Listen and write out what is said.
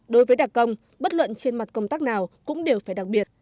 đối với đặc công bất luận trên mặt công tác nào cũng đều phải đặc biệt